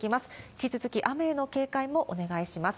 引き続き雨への警戒もお願いします。